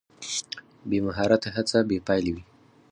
بې مهارته هڅه بې پایلې وي.